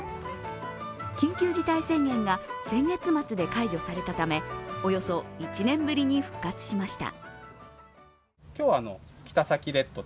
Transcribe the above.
緊急事態宣言が先月末で解除されたため、およそ１年ぶりに復活しました。